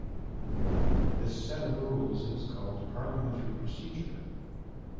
This set of rules is called parliamentary procedure.